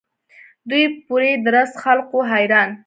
دوی پوري درست خلق وو حیران.